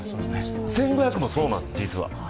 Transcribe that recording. １５００もそうなんです、実は。